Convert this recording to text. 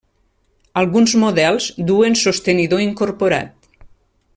Alguns models duen sostenidor incorporat.